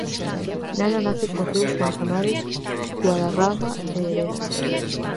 Nela nacen os ríos Manzanares, Guadarrama e Eresma.